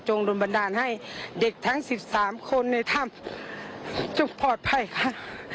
โดนบันดาลให้เด็กทั้ง๑๓คนในถ้ำจะปลอดภัยค่ะ